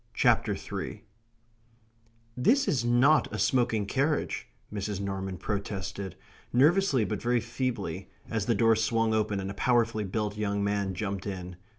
CHAPTER THREE "This is not a smoking carriage," Mrs. Norman protested, nervously but very feebly, as the door swung open and a powerfully built young man jumped in.